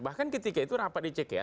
bahkan ketika itu rapat dicek ya